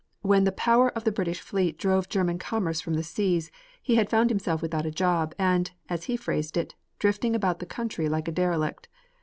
When the power of the British fleet drove German commerce from the seas, he had found himself without a job, and, as he phrased it, "was drifting about the country like a derelict."